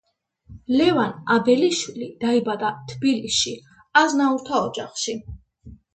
ლევან აბელიშვილი დაიბადა თბილისში, აზნაურთა ოჯახში.